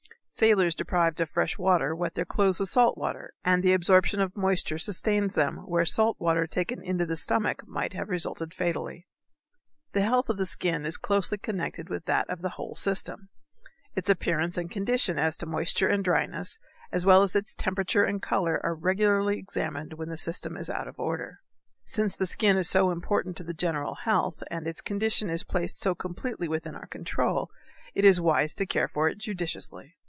Sailors deprived of fresh water wet their clothes with salt water, and the absorption of moisture sustains them where salt water taken into the stomach might have resulted fatally. The health of the skin is closely connected with that of the whole system. Its appearance and condition as to moisture and dryness, as well as its temperature and color are regularly examined when the system is out of order. Since the skin is so important to the general health and its condition is placed so completely within our control, it is wise to care for it judiciously.